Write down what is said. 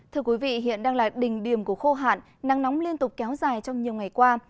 thưa quý vị hiện đang là đỉnh điểm của khô hạn nắng nóng liên tục kéo dài trong nhiều ngày qua